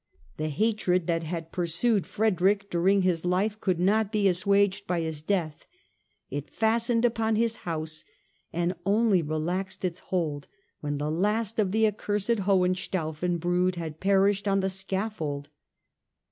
The hatred that had pursued Frederick during his life could not be assuaged by his death. It fastened upon his house and only relaxed its hold when the last of the accursed Hohenstaufen brood had perished on the scaffold.